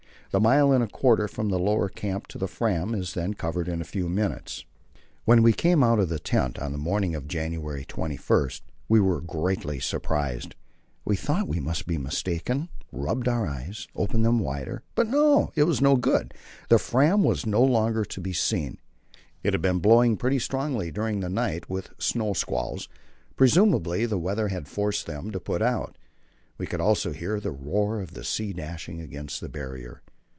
The mile and a quarter from the lower camp to the Fram is then covered in a few minutes. When we came out of the tent on the morning of January 21 we were greatly surprised. We thought we must be mistaken, rubbed our eyes, opened them wider; but no, it was no good. The Fram was no longer to be seen. It had been blowing pretty strongly during the night, with snow squalls. Presumably the weather had forced them to put out. We could also hear the roar of the sea dashing against the Barrier.